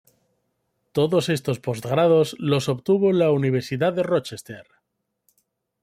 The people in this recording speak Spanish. Todos estos postgrados los obtuvo en la Universidad de Rochester.